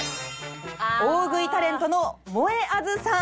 大食いタレントのもえあずさん。